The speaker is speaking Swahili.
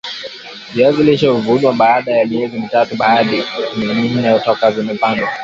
viazi lishe huvunwa baada ya miezi mitatu hadi minne toka vimepandwa